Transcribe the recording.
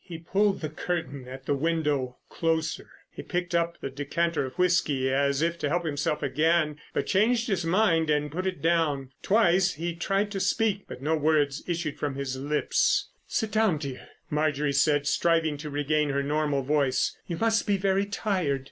He pulled the curtain at the window closer. He picked up the decanter of whisky as if to help himself again, but changed his mind and put it down. Twice he tried to speak, but no words issued from his lips. "Sit down, dear," Marjorie said, striving to regain her normal voice. "You must be very tired."